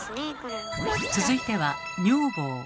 続いては「女房」。